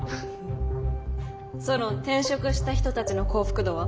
ソロン転職した人たちの幸福度は？